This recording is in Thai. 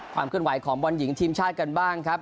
ความเคลื่อนไหวของบอลหญิงทีมชาติกันบ้างครับ